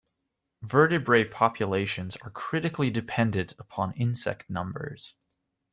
Vertebrate populations are critically dependent upon insect numbers.